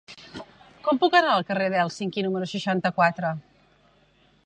Com puc anar al carrer d'Hèlsinki número seixanta-quatre?